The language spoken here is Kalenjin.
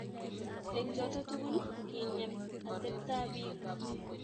Eng' choto tukul king'em ateptab piik